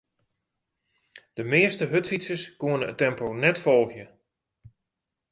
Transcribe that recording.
De measte hurdfytsers koene it tempo net folgje.